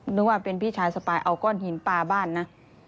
นึกว่าเป็นพี่ชายสปายเอาก้อนหินปลาบ้านนะ